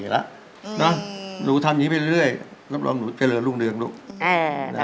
นะหนูทำอย่างงี้ไปเรื่อยเรื่อยน้ำลองหนูเกลือรุ่งเรื่องหนูแอ